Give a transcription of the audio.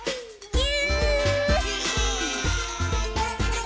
ぎゅ。